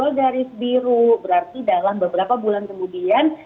berarti dalam beberapa bulan kemudian